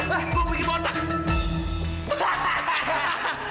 gue pilih botak